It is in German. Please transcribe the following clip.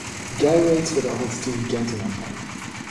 Galway tritt auch als Dirigent in Erscheinung.